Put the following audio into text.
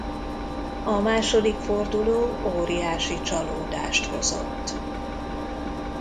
A második forduló óriási csalódást hozott.